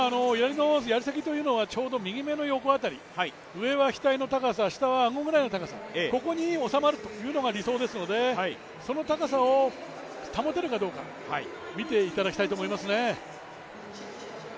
やり先というのはちょうど右目の横あたり、上は額の高さ、下はあごぐらいの高さ、ここにおさまるというのが理想ですのでその高さを保てるかどうか、見ていただきたいと思いますね。